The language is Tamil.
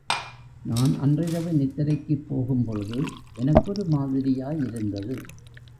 நான் அன்றிரவு நித்திரைக்குப் போகும் பொழுது எனக்கொரு மாதிரியாயிருந்தது.